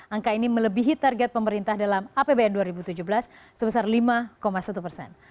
angka ini melebihi target pemerintah dalam apbn dua ribu tujuh belas sebesar lima satu persen